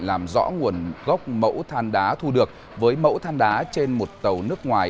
làm rõ nguồn gốc mẫu than đá thu được với mẫu than đá trên một tàu nước ngoài